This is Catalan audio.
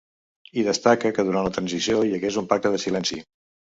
I destaca que durant la transició hi hagués un pacte de silenci.